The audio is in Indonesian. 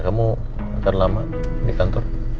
kamu akan lama di kantor